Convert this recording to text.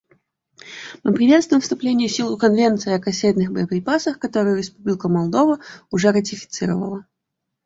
Мы приветствуем вступление в силу Конвенции о кассетных боеприпасах, которую Республика Молдова уже ратифицировала.